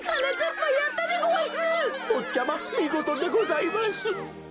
ぼっちゃまみごとでございます。